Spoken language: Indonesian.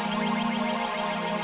aku sudah tidak ingin pergi dari rumah tufa